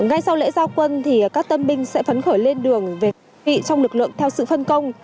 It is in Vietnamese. ngay sau lễ giao quân các tân binh sẽ phấn khởi lên đường vệ trong lực lượng theo sự phân công